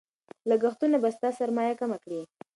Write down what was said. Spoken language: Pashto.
لګښتونه به ستا سرمایه کمه کړي.